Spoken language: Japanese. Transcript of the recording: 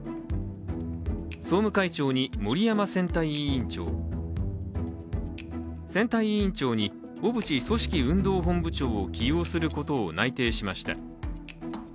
総務会長に森山選対委員長、選対委員長に小渕組織運動本部長を起用することを内定しました。